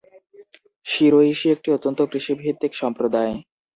শিরোইশি একটি অত্যন্ত কৃষিভিত্তিক সম্প্রদায়।